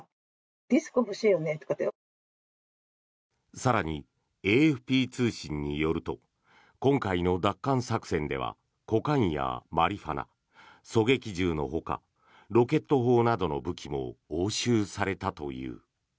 更に、ＡＦＰ通信によると今回の奪還作戦ではコカインやマリファナ狙撃銃のほかロケット砲などの武器も押収されたという。